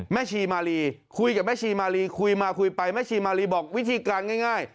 ชีมาลีคุยกับแม่ชีมาลีคุยมาคุยไปแม่ชีมาลีบอกวิธีการง่าย